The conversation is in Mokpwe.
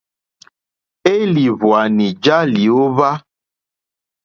Élìhwwànì já lyǒhwá.